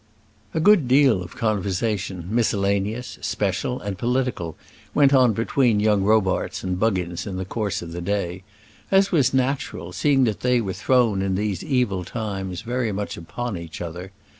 A good deal of conversation, miscellaneous, special, and political, went on between young Robarts and Buggins in the course of the day; as was natural, seeing that they were thrown in these evil times very much upon each other.